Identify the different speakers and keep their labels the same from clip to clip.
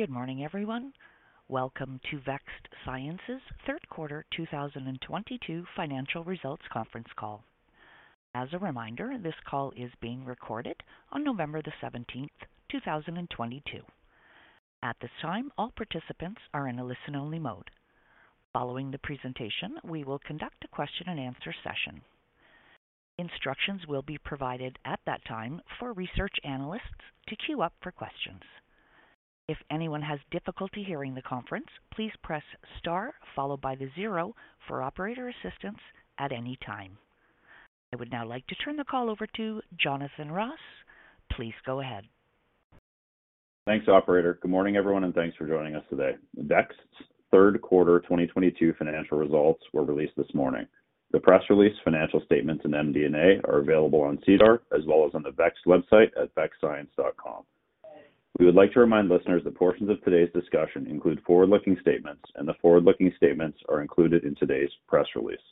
Speaker 1: Good morning, everyone. Welcome to Vext Science's third quarter 2022 financial results conference call. As a reminder, this call is being recorded on November 17, 2022. At this time, all participants are in a listen-only mode. Following the presentation, we will conduct a question and answer session. Instructions will be provided at that time for research analysts to queue up for questions. If anyone has difficulty hearing the conference, please press star followed by the zero for operator assistance at any time. I would now like to turn the call over to Jonathan Ross. Please go ahead.
Speaker 2: Thanks, operator. Good morning, everyone, and thanks for joining us today. Vext's third quarter 2022 financial results were released this morning. The press release, financial statements, and MD&A are available on SEDAR as well as on the Vext website at vextscience.com. We would like to remind listeners that portions of today's discussion include forward-looking statements, and the forward-looking statements are included in today's press release.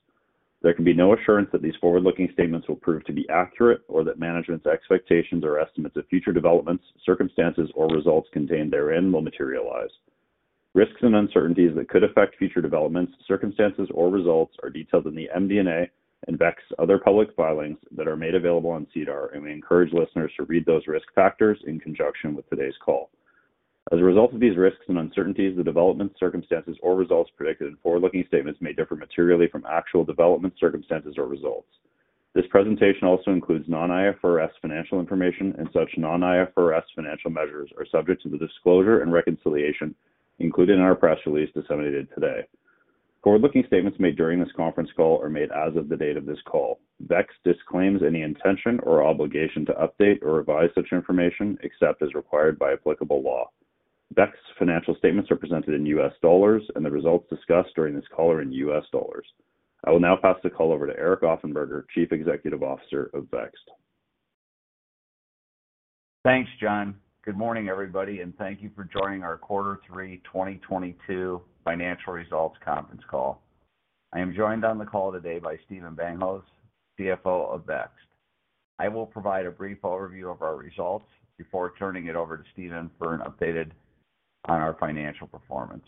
Speaker 2: There can be no assurance that these forward-looking statements will prove to be accurate or that management's expectations or estimates of future developments, circumstances, or results contained therein will materialize. Risks and uncertainties that could affect future developments, circumstances, or results are detailed in the MD&A and Vext's other public filings that are made available on SEDAR, and we encourage listeners to read those risk factors in conjunction with today's call. As a result of these risks and uncertainties, the developments, circumstances, or results predicted in forward-looking statements may differ materially from actual developments, circumstances, or results. This presentation also includes non-IFRS financial information, and such non-IFRS financial measures are subject to the disclosure and reconciliation included in our press release disseminated today. Forward-looking statements made during this conference call are made as of the date of this call. Vext disclaims any intention or obligation to update or revise such information except as required by applicable law. Vext's financial statements are presented in U.S. dollars and the results discussed during this call are in U.S. dollars. I will now pass the call over to Eric Offenberger, Chief Executive Officer of Vext.
Speaker 3: Thanks, Jon. Good morning, everybody, and thank you for joining our quarter 3 2022 financial results conference call. I am joined on the call today by Stephan Bankosz, CFO of Vext. I will provide a brief overview of our results before turning it over to Stephan for an update on our financial performance.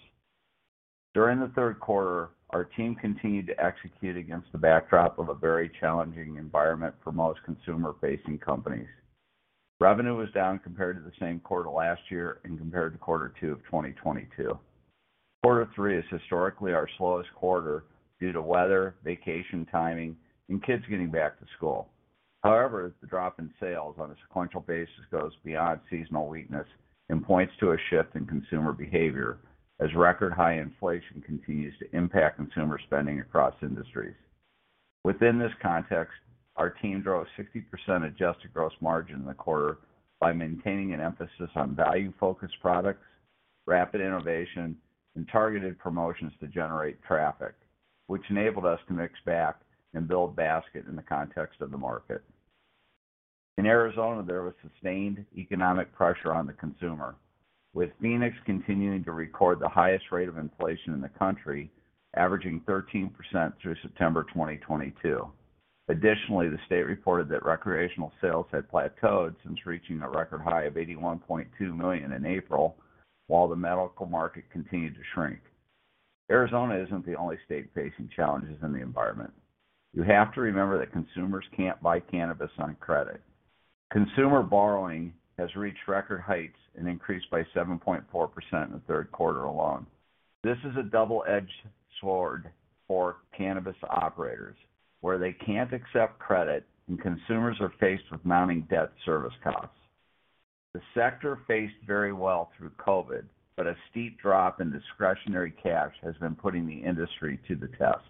Speaker 3: During the third quarter, our team continued to execute against the backdrop of a very challenging environment for most consumer-facing companies. Revenue was down compared to the same quarter last year and compared to quarter 2 of 2022. Quarter 3 is historically our slowest quarter due to weather, vacation timing, and kids getting back to school. However, the drop in sales on a sequential basis goes beyond seasonal weakness and points to a shift in consumer behavior as record high inflation continues to impact consumer spending across industries. Within this context, our team drove a 60% adjusted gross margin in the quarter by maintaining an emphasis on value-focused products, rapid innovation, and targeted promotions to generate traffic, which enabled us to mix back and build basket in the context of the market. In Arizona, there was sustained economic pressure on the consumer, with Phoenix continuing to record the highest rate of inflation in the country, averaging 13% through September 2022. Additionally, the state reported that recreational sales had plateaued since reaching a record high of $81.2 million in April, while the medical market continued to shrink. Arizona isn't the only state facing challenges in the environment. You have to remember that consumers can't buy cannabis on credit. Consumer borrowing has reached record heights and increased by 7.4% in the third quarter alone. This is a double-edged sword for cannabis operators, where they can't accept credit and consumers are faced with mounting debt service costs. The sector fared very well through COVID, but a steep drop in discretionary cash has been putting the industry to the test.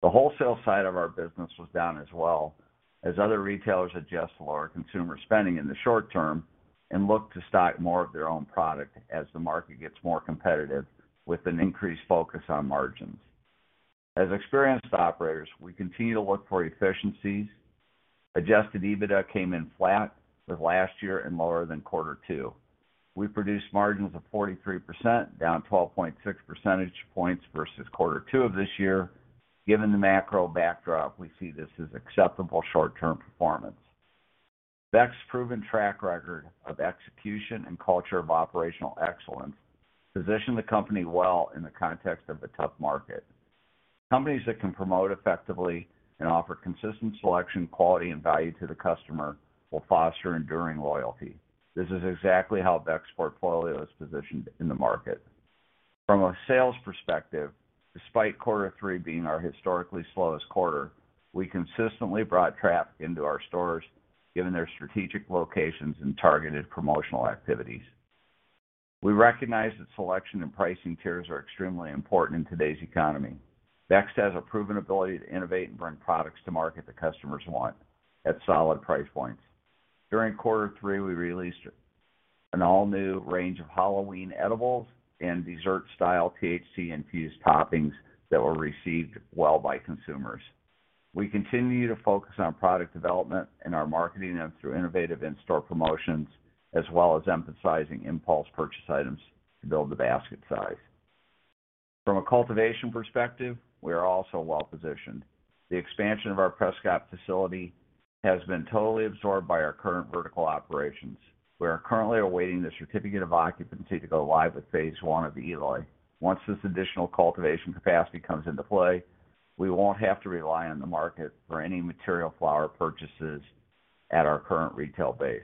Speaker 3: The wholesale side of our business was down as well, as other retailers adjust to lower consumer spending in the short term and look to stock more of their own product as the market gets more competitive with an increased focus on margins. As experienced operators, we continue to look for efficiencies. Adjusted EBITDA came in flat with last year and lower than quarter 2. We produced margins of 43%, down 12.6 percentage points versus quarter 2 of this year. Given the macro backdrop, we see this as acceptable short-term performance. Vext's proven track record of execution and culture of operational excellence position the company well in the context of a tough market. Companies that can promote effectively and offer consistent selection, quality, and value to the customer will foster enduring loyalty. This is exactly how Vext portfolio is positioned in the market. From a sales perspective, despite quarter 3 being our historically slowest quarter, we consistently brought traffic into our stores given their strategic locations and targeted promotional activities. We recognize that selection and pricing tiers are extremely important in today's economy. Vext has a proven ability to innovate and bring products to market that customers want at solid price points. During quarter 3, we released an all-new range of Halloween edibles and dessert-style THC-infused toppings that were received well by consumers. We continue to focus on product development and our marketing and through innovative in-store promotions as well as emphasizing impulse purchase items to build the basket size. From a cultivation perspective, we are also well-positioned. The expansion of our Prescott facility has been totally absorbed by our current vertical operations. We are currently awaiting the certificate of occupancy to go live with phase one of the Eloy. Once this additional cultivation capacity comes into play, we won't have to rely on the market for any material flower purchases at our current retail base.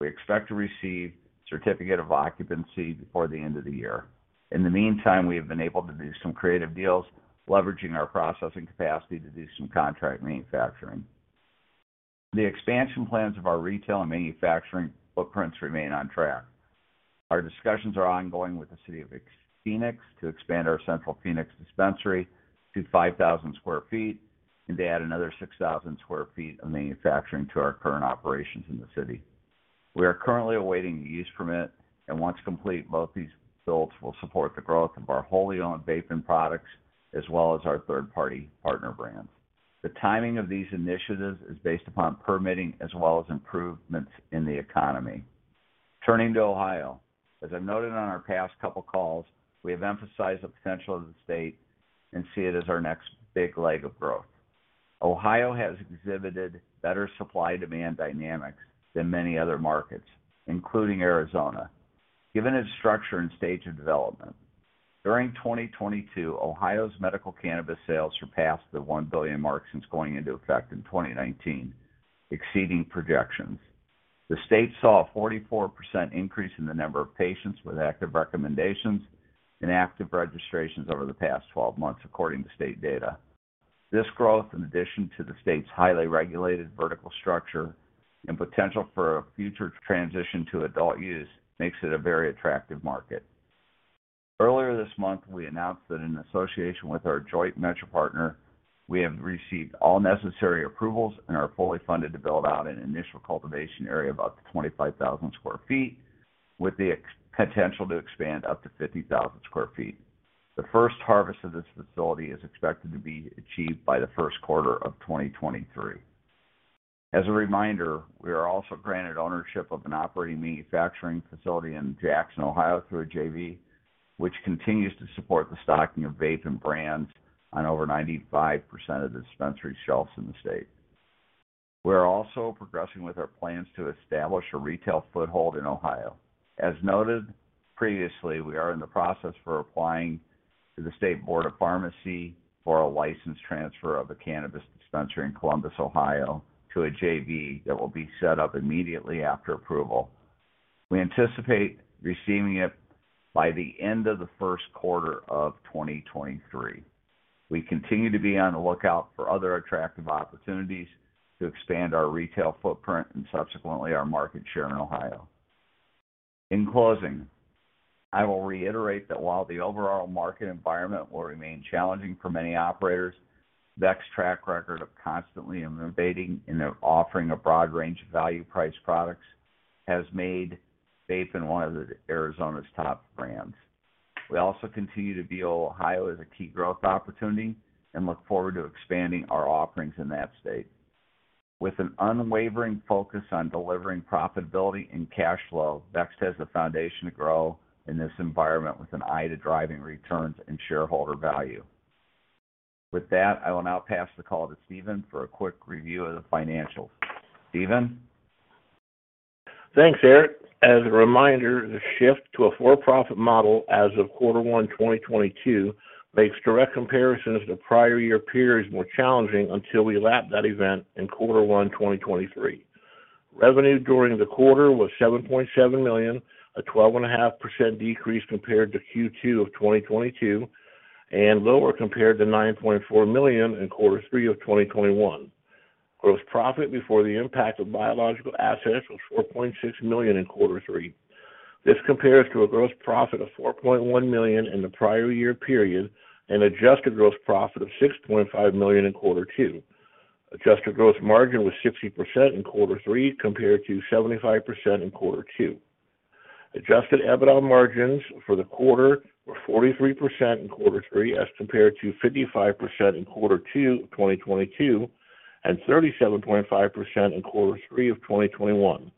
Speaker 3: We expect to receive certificate of occupancy before the end of the year. In the meantime, we have been able to do some creative deals, leveraging our processing capacity to do some contract manufacturing. The expansion plans of our retail and manufacturing footprints remain on track. Our discussions are ongoing with the City of Phoenix to expand our Central Phoenix dispensary to 5,000 sq ft and to add another 6,000 sq ft of manufacturing to our current operations in the city. We are currently awaiting the use permit, and once complete, both these builds will support the growth of our wholly-owned vaping products as well as our third-party partner brands. The timing of these initiatives is based upon permitting as well as improvements in the economy. Turning to Ohio. As I noted on our past couple calls, we have emphasized the potential of the state and see it as our next big leg of growth. Ohio has exhibited better supply-demand dynamics than many other markets, including Arizona, given its structure and stage of development. During 2022, Ohio's medical cannabis sales surpassed the $1 billion mark since going into effect in 2019, exceeding projections. The state saw a 44% increase in the number of patients with active recommendations and active registrations over the past 12 months, according to state data. This growth, in addition to the state's highly regulated vertical structure and potential for a future transition to adult use, makes it a very attractive market. Earlier this month, we announced that in association with our joint venture partner, we have received all necessary approvals and are fully funded to build out an initial cultivation area about 25,000 sq ft, with the potential to expand up to 50,000 sq ft. The first harvest of this facility is expected to be achieved by the first quarter of 2023. As a reminder, we are also granted ownership of an operating manufacturing facility in Jackson, Ohio, through a JV, which continues to support the stocking of Vapen brands on over 95% of the dispensary shelves in the state. We are also progressing with our plans to establish a retail foothold in Ohio. As noted previously, we are in the process for applying to the Ohio Board of Pharmacy for a license transfer of a cannabis dispensary in Columbus, Ohio, to a JV that will be set up immediately after approval. We anticipate receiving it by the end of the first quarter of 2023. We continue to be on the lookout for other attractive opportunities to expand our retail footprint and subsequently our market share in Ohio. In closing, I will reiterate that while the overall market environment will remain challenging for many operators, Vext's track record of constantly innovating and of offering a broad range of value-priced products has made Vapen one of the Arizona's top brands. We also continue to view Ohio as a key growth opportunity and look forward to expanding our offerings in that state. With an unwavering focus on delivering profitability and cash flow, Vext has the foundation to grow in this environment with an eye to driving returns and shareholder value. With that, I will now pass the call to Stephan for a quick review of the financials. Stephan?
Speaker 4: Thanks, Eric. As a reminder, the shift to a for-profit model as of quarter 1 2022 makes direct comparisons to prior year periods more challenging until we lap that event in quarter 1 2023. Revenue during the quarter was $7.7 million, a 12.5% decrease compared to Q2 of 2022, and lower compared to $9.4 million in quarter 3 of 2021. Gross profit before the impact of biological assets was $4.6 million in quarter 3. This compares to a gross profit of $4.1 million in the prior year period and adjusted gross profit of $6.5 million in quarter 2. Adjusted gross margin was 60% in quarter 3 compared to 75% in quarter 2. Adjusted EBITDA margins for the quarter were 43% in quarter 3 as compared to 55% in quarter 2 of 2022, and 37.5% in quarter 3 of 2021.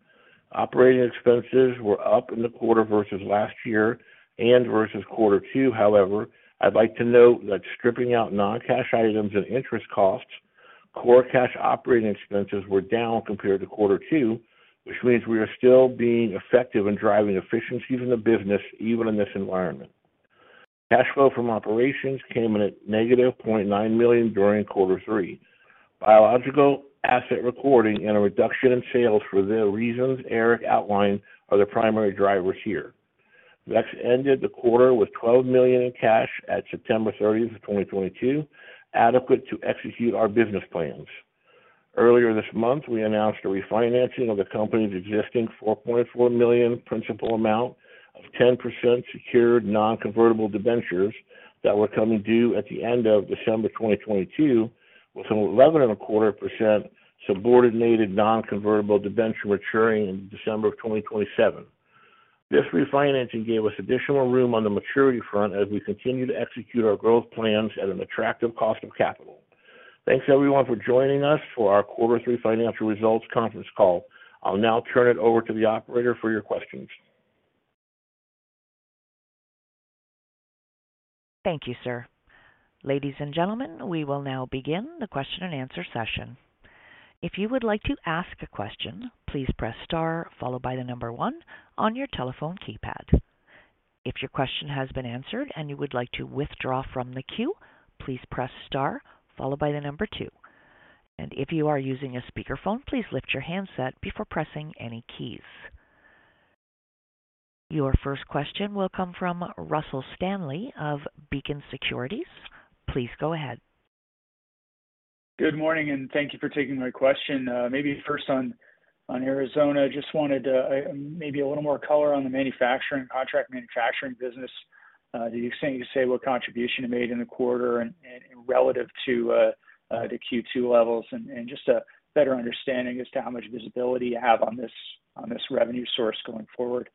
Speaker 4: Operating expenses were up in the quarter versus last year and versus quarter 2. However, I'd like to note that stripping out non-cash items and interest costs, core cash operating expenses were down compared to quarter 2, which means we are still being effective in driving efficiencies in the business, even in this environment. Cash flow from operations came in at -$0.9 million during quarter 3. Biological asset recording and a reduction in sales for the reasons Eric outlined are the primary drivers here. Vext ended the quarter with $12 million in cash at September 30, 2022, adequate to execute our business plans. Earlier this month, we announced a refinancing of the company's existing $4.4 million principal amount of 10% secured non-convertible debentures that were coming due at the end of December 2022, with 11.25% subordinated non-convertible debenture maturing in December 2027. This refinancing gave us additional room on the maturity front as we continue to execute our growth plans at an attractive cost of capital. Thanks everyone for joining us for our Quarter 3 Financial Results conference call. I'll now turn it over to the operator for your questions.
Speaker 1: Thank you, sir. Ladies and gentlemen, we will now begin the question-and-answer session. If you would like to ask a question, please press star followed by the number one on your telephone keypad. If your question has been answered and you would like to withdraw from the queue, please press star followed by the number two. If you are using a speakerphone, please lift your handset before pressing any keys. Your first question will come from Russell Stanley of Beacon Securities. Please go ahead.
Speaker 5: Good morning, thank you for taking my question. Maybe first on Arizona, just wanted maybe a little more color on the manufacturing, contract manufacturing business, the extent you say what contribution it made in the quarter and relative to the Q2 levels, and just a better understanding as to how much visibility you have on this revenue source going forward.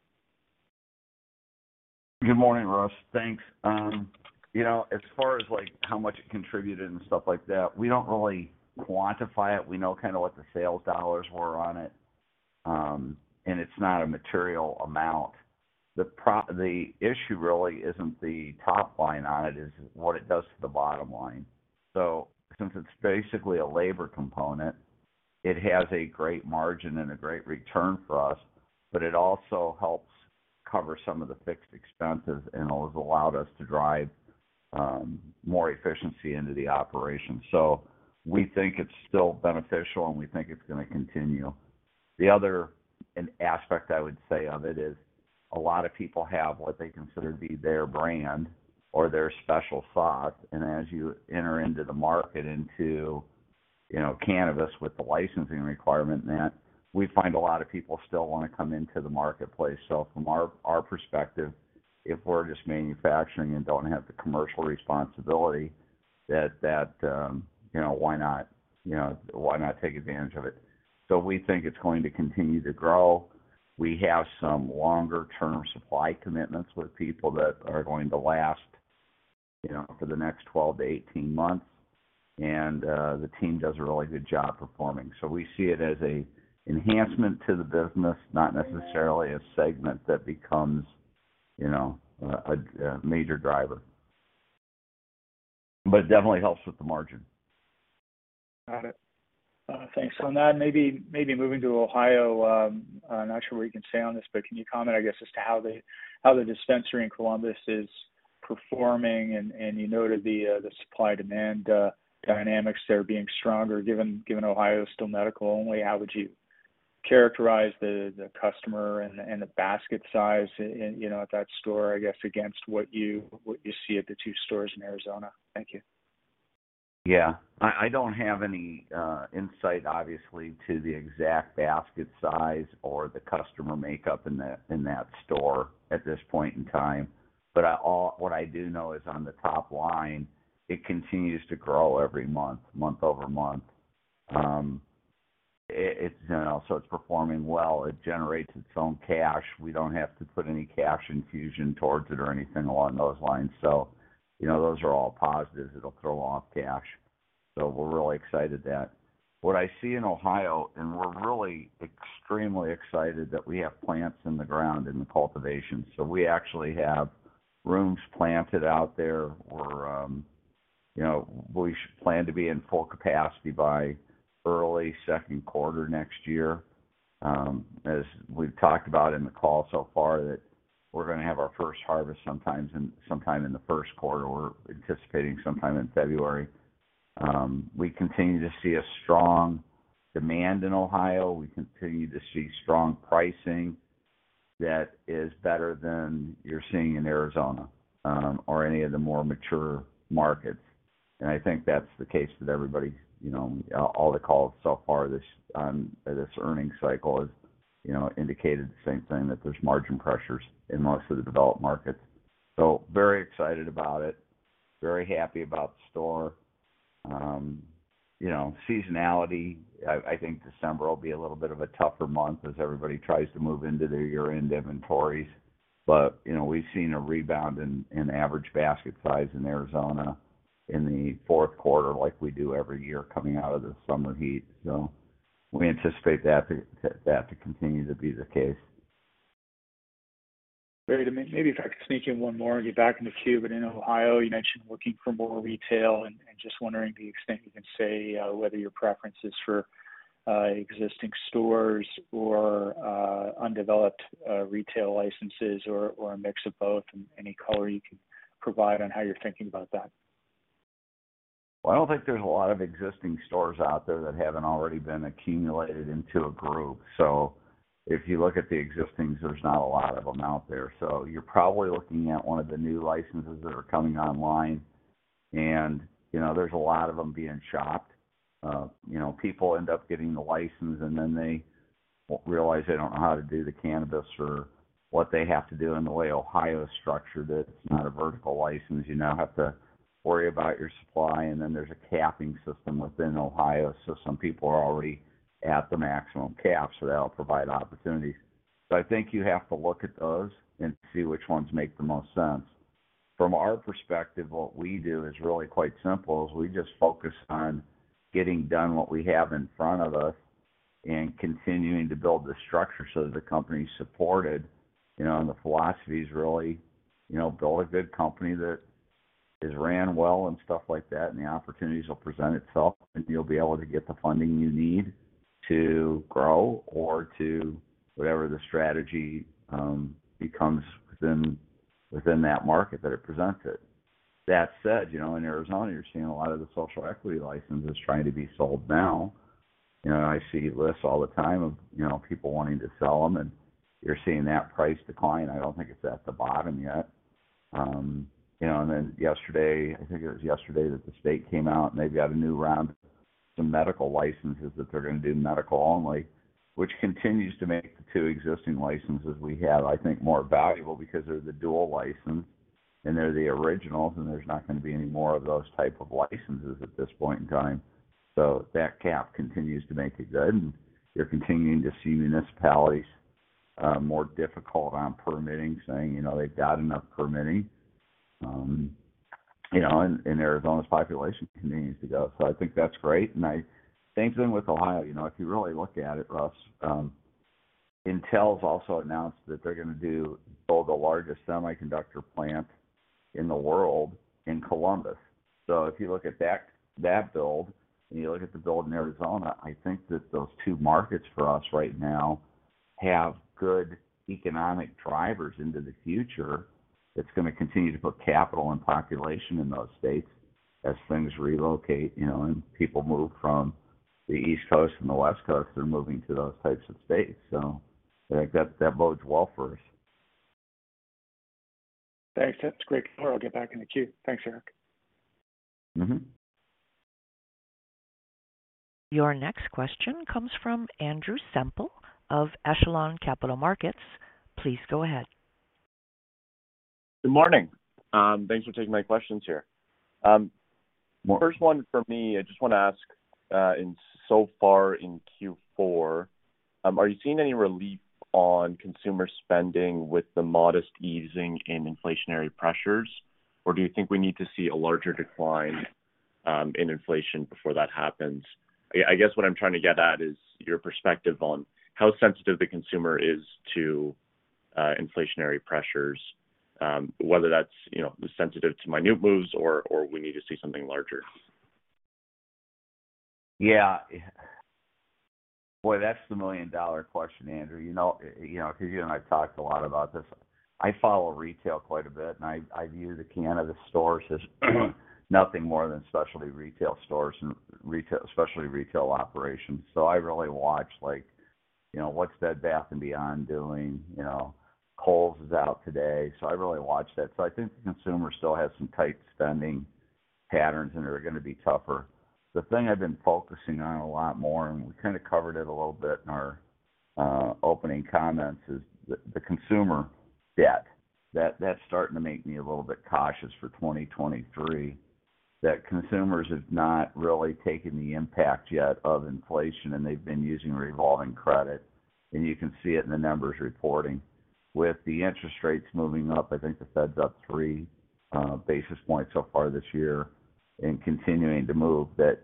Speaker 3: Good morning, Russ. Thanks. You know, as far as, like, how much it contributed and stuff like that, we don't really quantify it. We know kind of what the sales dollars were on it, and it's not a material amount. The issue really isn't the top line on it, is what it does to the bottom line. Since it's basically a labor component, it has a great margin and a great return for us, but it also helps cover some of the fixed expenses and has allowed us to drive more efficiency into the operation. We think it's still beneficial, and we think it's gonna continue. The other, an aspect I would say of it is a lot of people have what they consider to be their brand or their special sauce. As you enter into the market, you know, cannabis with the licensing requirement and that, we find a lot of people still wanna come into the marketplace. From our perspective, if we're just manufacturing and don't have the commercial responsibility, you know, why not take advantage of it? We think it's going to continue to grow. We have some longer-term supply commitments with people that are going to last, you know, for the next 12-18 months. The team does a really good job performing. We see it as a enhancement to the business, not necessarily a segment that becomes, you know, a major driver. It definitely helps with the margin.
Speaker 5: Got it. Thanks. On that, maybe moving to Ohio, I'm not sure what you can say on this, but can you comment, I guess, as to how the dispensary in Columbus is performing? You noted the supply-demand dynamics there being stronger. Given Ohio is still medical only, how would you characterize the customer and the basket size, you know, at that store, I guess, against what you see at the two stores in Arizona? Thank you.
Speaker 3: Yeah. I don't have any insight, obviously, to the exact basket size or the customer makeup in that store at this point in time. What I do know is on the top line, it continues to grow every month-over-month. It, you know, it's performing well. It generates its own cash. We don't have to put any cash infusion towards it or anything along those lines. You know, those are all positives. It'll throw off cash. We're really excited at that. What I see in Ohio, and we're really extremely excited that we have plants in the ground in the cultivation. We actually have rooms planted out there. You know, we plan to be in full capacity by early second quarter next year. As we've talked about in the call so far, that we're gonna have our first harvest sometime in the first quarter. We're anticipating sometime in February. We continue to see a strong demand in Ohio. We continue to see strong pricing that is better than you're seeing in Arizona or any of the more mature markets. I think that's the case that everybody, you know, all the calls so far this on this earnings cycle has, you know, indicated the same thing, that there's margin pressures in most of the developed markets. Very excited about it, very happy about the store. You know, seasonality, I think December will be a little bit of a tougher month as everybody tries to move into their year-end inventories. You know, we've seen a rebound in average basket size in Arizona in the fourth quarter like we do every year coming out of the summer heat. We anticipate that to continue to be the case.
Speaker 5: Maybe if I could sneak in one more and get back in the queue. In Ohio, you mentioned looking for more retail and just wondering the extent you can say whether your preference is for existing stores or undeveloped retail licenses or a mix of both and any color you can provide on how you're thinking about that?
Speaker 3: Well, I don't think there's a lot of existing stores out there that haven't already been accumulated into a group. If you look at the existings, there's not a lot of them out there. You're probably looking at one of the new licenses that are coming online. You know, there's a lot of them being shopped. You know, people end up getting the license, and then they realize they don't know how to do the cannabis or what they have to do. The way Ohio is structured, it's not a vertical license. You now have to worry about your supply, and then there's a capping system within Ohio. Some people are already at the maximum cap, so that'll provide opportunities. I think you have to look at those and see which ones make the most sense. From our perspective, what we do is really quite simple. Is we just focus on getting done what we have in front of us and continuing to build the structure so that the company's supported, you know, and the philosophy is really, you know, build a good company that is ran well and stuff like that, and the opportunities will present itself, and you'll be able to get the funding you need to grow or to whatever the strategy becomes within that market that it presented. That said, you know, in Arizona, you're seeing a lot of the social equity licenses trying to be sold now. You know, I see lists all the time of, you know, people wanting to sell them, and you're seeing that price decline. I don't think it's at the bottom yet. Um, you know, and then yesterday, I think it was yesterday that the state came out, and they've got a new round of some medical licenses that they're gonna do medical only, which continues to make the two existing licenses we have, I think, more valuable because they're the dual license and they're the originals, and there's not gonna be any more of those type of licenses at this point in time. So that cap continues to make it good. And you're continuing to see municipalities, uh, more difficult on permitting, saying, you know, they've got enough permitting, um, you know, and Arizona's population continues to go. So I think that's great. And I same thing with Ohio. You know, if you really look at it, Russ, um, Intel's also announced that they're gonna do-- build the largest semiconductor plant in the world in Columbus. If you look at that build and you look at the build in Arizona, I think that those two markets for us right now have good economic drivers into the future that's gonna continue to put capital and population in those states as things relocate, you know, and people move from the East Coast and the West Coast, they're moving to those types of states. I think that bodes well for us.
Speaker 5: Thanks. That's great. I'll get back in the queue. Thanks, Eric.
Speaker 3: Mm-hmm.
Speaker 1: Your next question comes from Andrew Semple of Echelon Capital Markets. Please go ahead.
Speaker 6: Good morning. Thanks for taking my questions here.
Speaker 3: Good morning.
Speaker 6: First one for me, I just wanna ask, so far in Q4, are you seeing any relief on consumer spending with the modest easing in inflationary pressures, or do you think we need to see a larger decline in inflation before that happens? I guess what I'm trying to get at is your perspective on how sensitive the consumer is to inflationary pressures, whether that's, you know, sensitive to minute moves or we need to see something larger.
Speaker 3: Yeah. Boy, that's the million-dollar question, Andrew. You know, 'cause you and I've talked a lot about this. I follow retail quite a bit, and I view the cannabis store system nothing more than specialty retail stores and specialty retail operations. I really watch like, you know, what's Bed Bath & Beyond doing? You know, Kohl's is out today, so I really watch that. I think the consumer still has some tight spending patterns, and they're gonna be tougher. The thing I've been focusing on a lot more, and we kinda covered it a little bit in our opening comments, is the consumer debt. That's starting to make me a little bit cautious for 2023, that consumers have not really taken the impact yet of inflation and they've been using revolving credit. You can see it in the numbers reporting. With the interest rates moving up, I think the Fed's up three, uh, basis points so far this year and continuing to move, that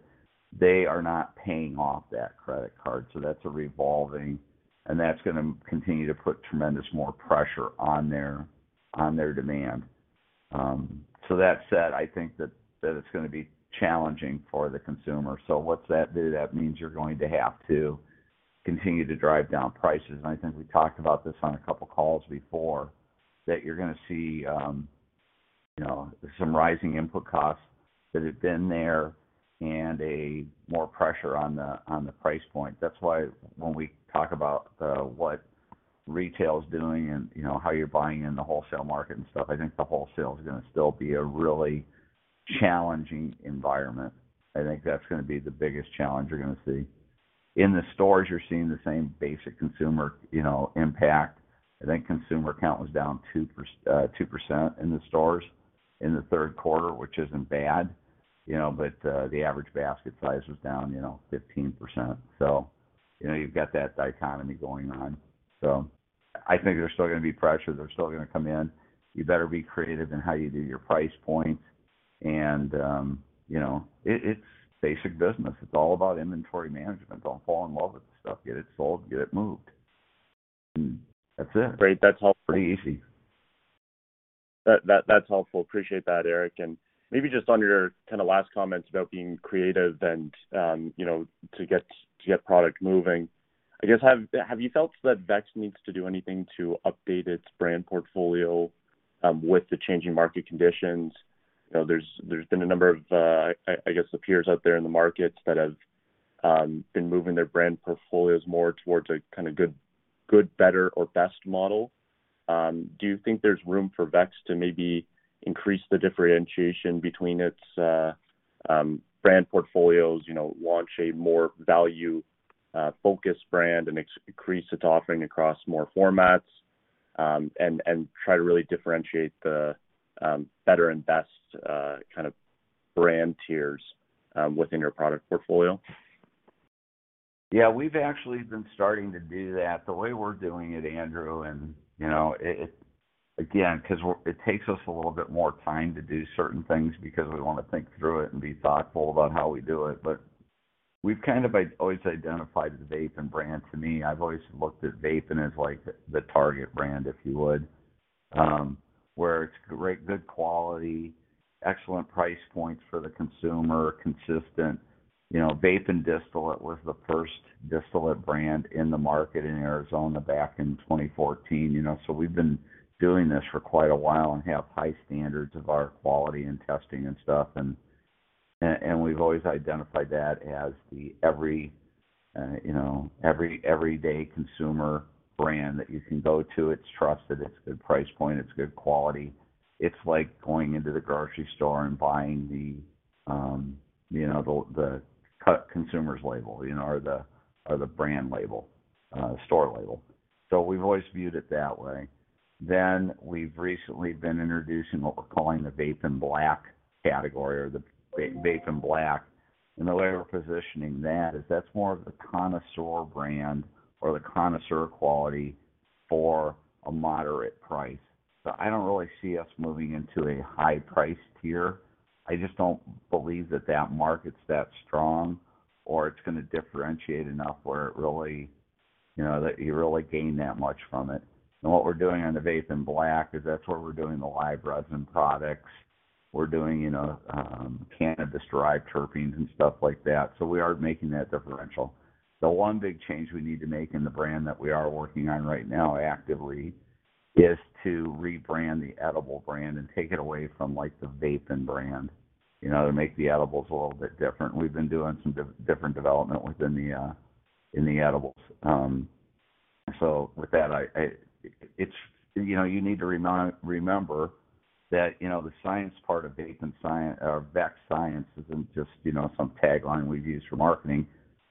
Speaker 3: they are not paying off that credit card. So that's a revolving... And that's gonna continue to put tremendous more pressure on their, on their demand. Um, so that said, I think that it's gonna be challenging for the consumer. So what's that do? That means you're going to have to continue to drive down prices. And I think we talked about this on a couple of calls before, that you're gonna see, um, you know, some rising input costs that have been there and a more pressure on the, on the price point. That's why when we talk about what retail is doing and you know, how you're buying in the wholesale market and stuff, I think the wholesale is gonna still be a really challenging environment. I think that's gonna be the biggest challenge you're gonna see. In the stores, you're seeing the same basic consumer, you know, impact. I think consumer count was down 2% in the stores in the third quarter, which isn't bad, you know, but the average basket size was down, you know, 15%. You know, you've got that dichotomy going on. I think there's still gonna be pressure. They're still gonna come in. You better be creative in how you do your price points. You know, it's basic business. It's all about inventory management. Don't fall in love with the stuff, get it sold, get it moved. That's it.
Speaker 6: Great.
Speaker 3: Pretty easy.
Speaker 6: That's helpful. Appreciate that, Eric. Maybe just on your kinda last comments about being creative and, you know, to get product moving, I guess, have you felt that Vext needs to do anything to update its brand portfolio with the changing market conditions? You know, there's been a number of, I guess, peers out there in the markets that have been moving their brand portfolios more towards a kinda good, better, or best model. Do you think there's room for Vext to maybe increase the differentiation between its brand portfolios, you know, launch a more value focused brand, and increase its offering across more formats? Try to really differentiate the better and best kind of brand tiers within your product portfolio.
Speaker 3: Yeah, we've actually been starting to do that. The way we're doing it, Andrew, and you know, it again, 'cause it takes us a little bit more time to do certain things because we want to think through it and be thoughtful about how we do it. We've kind of always identified the Vapen brand. To me, I've always looked at Vapen as, like, the target brand, if you would. Where it's great, good quality, excellent price points for the consumer, consistent. You know, Vapen Distillate was the first distillate brand in the market in Arizona back in 2014, you know. We've been doing this for quite a while and have high standards of our quality and testing and stuff. We've always identified that as the, you know, everyday consumer brand that you can go to. It's trusted, it's good price point, it's good quality. It's like going into the grocery store and buying, you know, the cut consumer's label, you know, or the brand label, store label. We've always viewed it that way. We've recently been introducing what we're calling the Vapen Black category or the Vapen Black. The way we're positioning that is that's more of the connoisseur brand or the connoisseur quality for a moderate price. I don't really see us moving into a high price tier. I just don't believe that that market's that strong or it's gonna differentiate enough where it really, you know, that you really gain that much from it. What we're doing on the Vapen Black is that's where we're doing the live resin products. We're doing, you know, cannabis-derived terpenes and stuff like that. We are making that differential. The one big change we need to make in the brand that we are working on right now actively is to rebrand the edible brand and take it away from, like, the Vapen brand, you know, to make the edibles a little bit different. We've been doing some different development within the edibles. It's, you know, you need to remember that, you know, the science part of Vext Science isn't just, you know, some tagline we've used for marketing.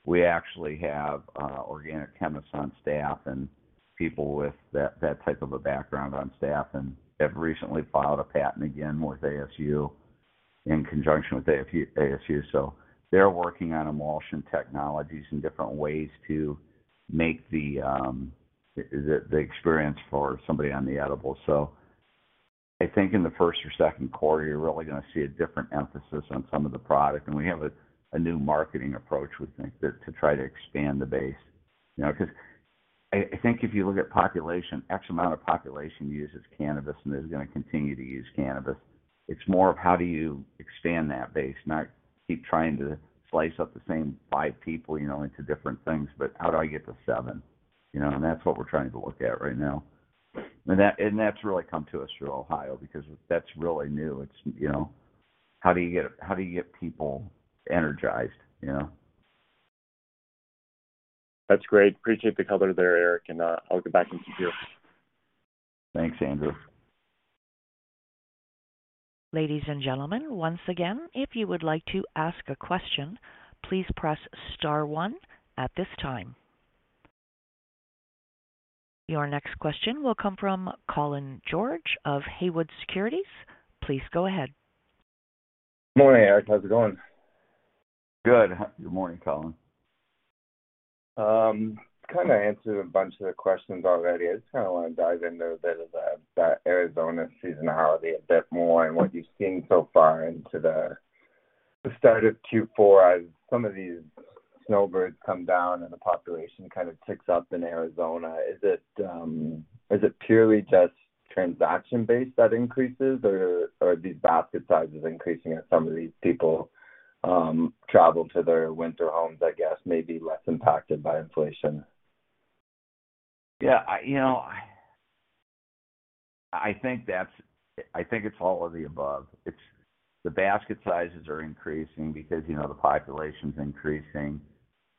Speaker 3: We actually have organic chemists on staff and people with that type of a background on staff, and have recently filed a patent again with ASU, in conjunction with ASU. They're working on emulsion technologies and different ways to make the experience for somebody on the edibles. I think in the first or second quarter, you're really gonna see a different emphasis on some of the product. We have a new marketing approach, we think, that to try to expand the base, you know. 'Cause I think if you look at population, X amount of population uses cannabis and is gonna continue to use cannabis. It's more of how do you expand that base, not keep trying to slice up the same five people, you know, into different things, but how do I get to seven? You know, that's what we're trying to look at right now. That's really come to us through Ohio because that's really new. It's, you know, how do you get people energized, you know?
Speaker 6: That's great. Appreciate the color there, Eric. I'll get back in queue.
Speaker 3: Thanks, Andrew.
Speaker 1: Ladies and gentlemen, once again, if you would like to ask a question, please press star one at this time. Your next question will come from Colin George of Haywood Securities. Please go ahead.
Speaker 7: Morning, Eric. How's it going?
Speaker 3: Good morning, Colin.
Speaker 7: Kinda answered a bunch of the questions already. I just kinda wanna dive into a bit of that Arizona seasonality a bit more and what you've seen so far into the start of Q4 as some of these snowbirds come down and the population kind of ticks up in Arizona. Is it purely just transaction-based that increases, or are these basket sizes increasing as some of these people travel to their winter homes, I guess, may be less impacted by inflation?
Speaker 3: Yeah, you know, I think it's all of the above. The basket sizes are increasing because, you know, the population's increasing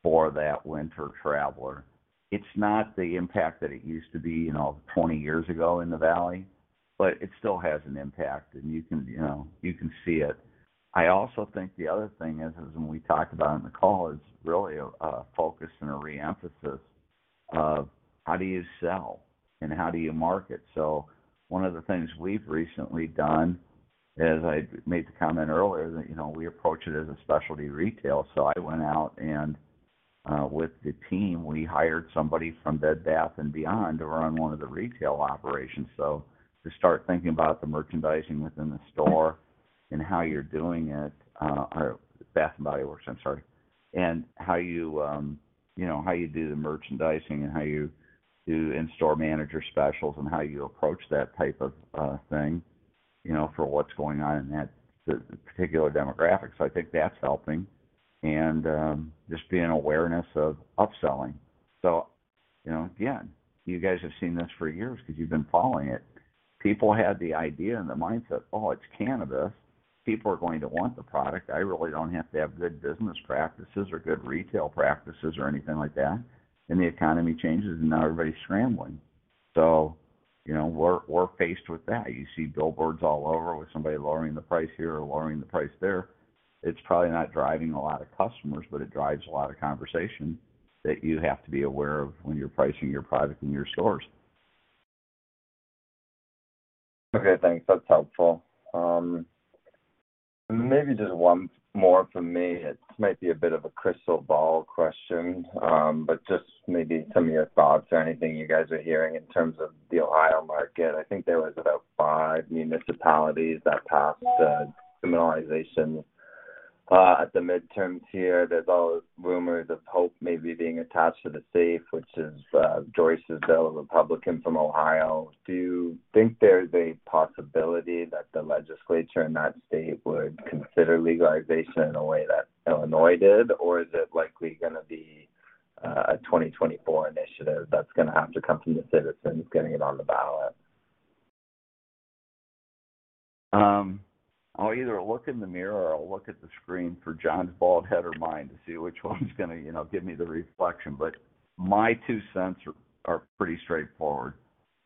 Speaker 3: for that winter traveler. It's not the impact that it used to be, you know, 20 years ago in the Valley, but it still has an impact and you can, you know, see it. I also think the other thing is, as when we talked about on the call, is really a focus and a re-emphasis of how do you sell and how do you market. One of the things we've recently done, as I made the comment earlier, that, you know, we approach it as a specialty retail. I went out and, with the team, we hired somebody from Bed Bath & Beyond to run one of the retail operations. So to start thinking about the merchandising within the store and how you're doing it, uh, or Bath & Body Works, I'm sorry. And how you, um, you know, how you do the merchandising and how you do in-store manager specials and how you approach that type of, uh, thing, you know, for what's going on in that particular demographic. So I think that's helping and, um, just being awareness of upselling. So, you know, again, you guys have seen this for years 'cause you've been following it. People had the idea and the mindset, "Oh, it's cannabis. People are going to want the product. I really don't have to have good business practices or good retail practices or anything like that." Then the economy changes and now everybody's scrambling. So, you know, we're faced with that. You see billboards all over with somebody lowering the price here or lowering the price there. It's probably not driving a lot of customers, but it drives a lot of conversation that you have to be aware of when you're pricing your product in your stores.
Speaker 7: Okay, thanks. That's helpful. Maybe just one more from me. It might be a bit of a crystal ball question, but just maybe some of your thoughts or anything you guys are hearing in terms of the Ohio market. I think there was about five municipalities that passed decriminalization at the midterms here. There's all rumors of HOPE maybe being attached to the SAFE, which is Joyce's bill, a Republican from Ohio. Do you think there's a possibility that the legislature in that state would consider legalization in a way that Illinois did, or is it likely gonna be a 2024 initiative that's gonna have to come from the citizens getting it on the ballot?
Speaker 3: I'll either look in the mirror or I'll look at the screen for John's bald head or mine to see which one's gonna, you know, give me the reflection. My two cents are pretty straightforward.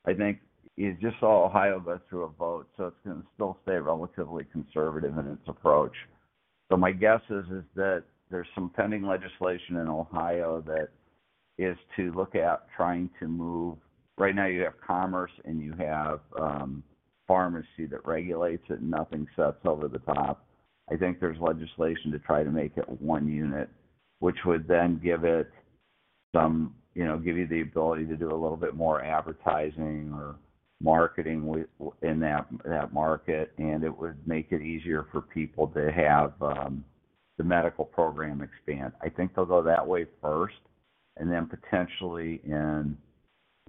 Speaker 3: I think you just saw Ohio vote through a vote, so it's gonna still stay relatively conservative in its approach. My guess is that there's some pending legislation in Ohio that is to look at trying to move. Right now you have commerce and you have pharmacy that regulates it. Nothing sits over the top. I think there's legislation to try to make it one unit, which would then, you know, give you the ability to do a little bit more advertising or marketing in that market, and it would make it easier for people to have the medical program expand. I think they'll go that way first, and then potentially in,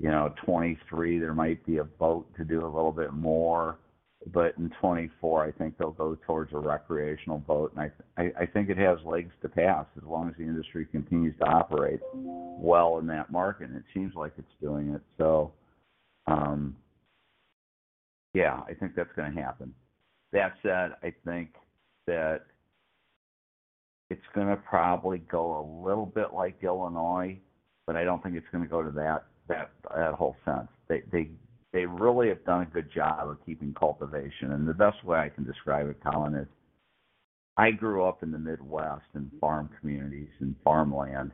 Speaker 3: you know, 2023, there might be a vote to do a little bit more. In 2024, I think they'll go towards a recreational vote. I think it has legs to pass as long as the industry continues to operate well in that market, and it seems like it's doing it. Yeah, I think that's gonna happen. That said, I think that it's gonna probably go a little bit like Illinois, but I don't think it's gonna go to that whole sense. They really have done a good job of keeping cultivation. The best way I can describe it, Colin, is I grew up in the Midwest in farm communities and farmland,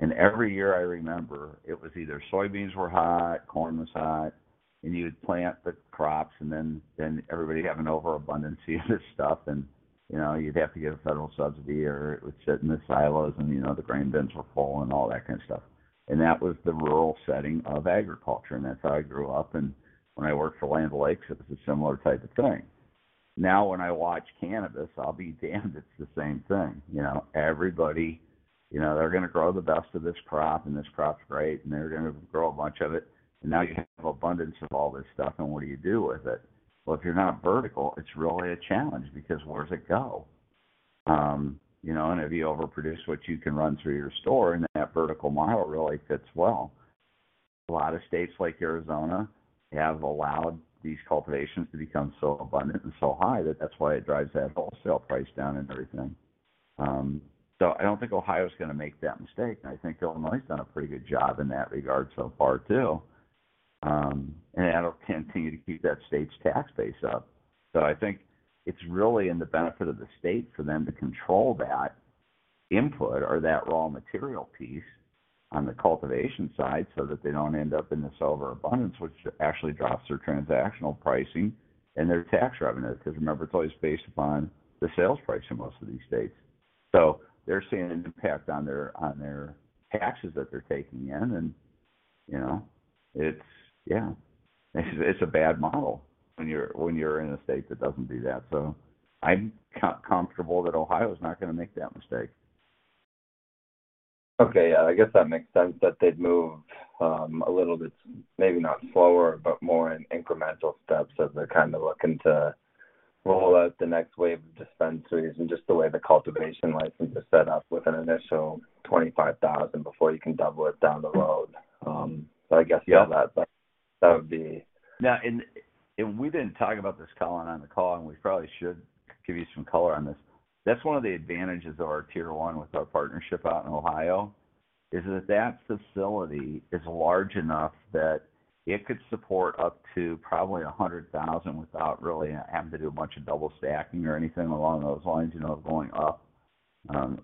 Speaker 3: and every year I remember it was either soybeans were hot, corn was hot, and you would plant the crops and then everybody have an overabundance of this stuff. You know, you'd have to get a federal subsidy or it would sit in the silos and, you know, the grain bins were full and all that kind of stuff. That was the rural setting of agriculture, and that's how I grew up. When I worked for Land O'Lakes, it was a similar type of thing. Now when I watch cannabis, I'll be damned, it's the same thing. You know, everybody, you know, they're gonna grow the best of this crop, and this crop's great, and they're gonna grow a bunch of it. Now you have abundance of all this stuff, and what do you do with it? Well, if you're not vertical, it's really a challenge because where does it go? You know, if you overproduce what you can run through your store, and that vertical model really fits well. A lot of states like Arizona have allowed these cultivations to become so abundant and so high that that's why it drives that wholesale price down and everything. I don't think Ohio is gonna make that mistake. I think Illinois has done a pretty good job in that regard so far, too. That'll continue to keep that state's tax base up. I think it's really in the benefit of the state for them to control that input or that raw material piece on the cultivation side so that they don't end up in this overabundance, which actually drops their transactional pricing and their tax revenue, because remember, it's always based upon the sales price in most of these states. They're seeing an impact on their taxes that they're taking in. You know, yeah, it's a bad model when you're in a state that doesn't do that. I'm comfortable that Ohio is not gonna make that mistake.
Speaker 7: Okay. Yeah, I guess that makes sense that they'd move a little bit, maybe not slower, but more in incremental steps as they're kind of looking to roll out the next wave of dispensaries and just the way the cultivation license is set up with an initial 25,000 before you can double it down the road.
Speaker 3: Yeah.
Speaker 7: All that would be.
Speaker 3: Now we didn't talk about this, Colin, on the call, and we probably should give you some color on this. That's one of the advantages of our Tier I with our partnership out in Ohio is that that facility is large enough that it could support up to probably 100,000 without really having to do a bunch of double stacking or anything along those lines, you know, going up,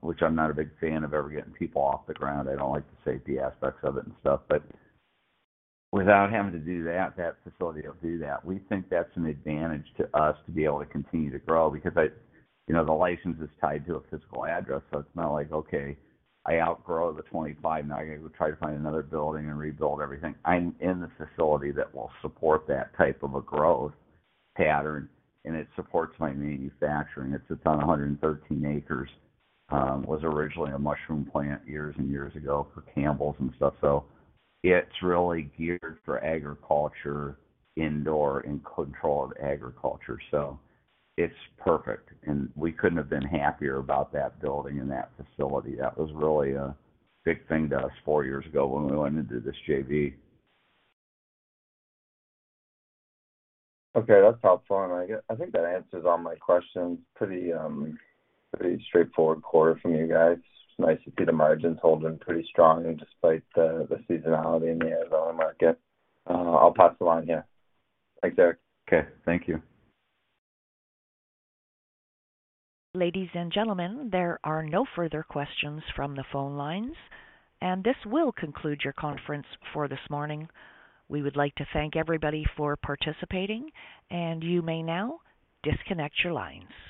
Speaker 3: which I'm not a big fan of ever getting people off the ground. I don't like the safety aspects of it and stuff. Without having to do that facility will do that. We think that's an advantage to us to be able to continue to grow. You know, the license is tied to a physical address, so it's not like, okay, I outgrow the 25, now I got to go try to find another building and rebuild everything. I'm in the facility that will support that type of a growth pattern, and it supports my manufacturing. It's on 113 acres. Was originally a mushroom plant years and years ago for Campbell's and stuff. It's really geared for agriculture indoor in control of agriculture. It's perfect, and we couldn't have been happier about that building and that facility. That was really a big thing to us four years ago when we went into this JV.
Speaker 7: Okay. That's helpful. I think that answers all my questions. Pretty straightforward quarter from you guys. It's nice to see the margins holding pretty strong despite the seasonality in the Arizona market. I'll pass along. Yeah. Thanks, Eric.
Speaker 3: Okay. Thank you.
Speaker 1: Ladies and gentlemen, there are no further questions from the phone lines, and this will conclude your conference for this morning. We would like to thank everybody for participating, and you may now disconnect your lines.